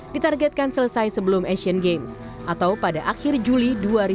ditargetkan selesai sebelum asian games atau pada akhir juli dua ribu delapan belas